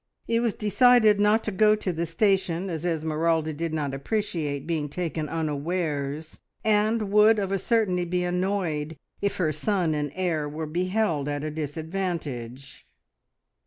It was decided not to go to the station, as Esmeralda did not appreciate being taken unawares, and would of a certainty be annoyed if her son and heir were beheld at a disadvantage.